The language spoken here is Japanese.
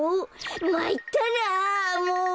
まいったなもう。